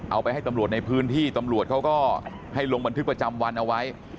เอาไปให้ตำรวจในพื้นที่ตำรวจเขาก็ให้ลงบันทึกประจำวันเอาไว้